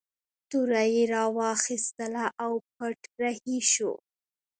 توره یې راواخیستله او پټ رهي شو.